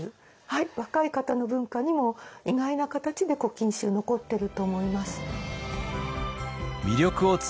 若い方の文化にも意外な形で「古今集」残ってると思います。